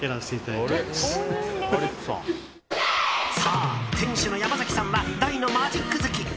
そう、店主の山崎さんは大のマジック好き。